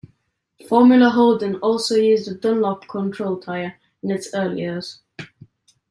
Formula Holden also used a Dunlop control tyre in its early years.